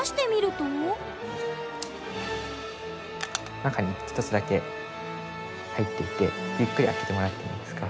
中に一つだけ入っていてゆっくり開けてもらってもいいですか？